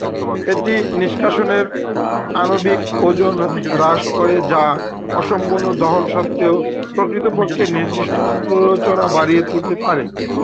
এটি নিষ্কাশনের আণবিক ওজন হ্রাস করে যা অসম্পূর্ণ দহন সত্ত্বেও প্রকৃতপক্ষে নির্দিষ্ট প্ররোচনা বাড়িয়ে তুলতে পারে।